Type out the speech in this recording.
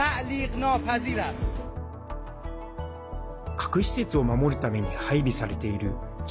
核施設を守るために配備されている地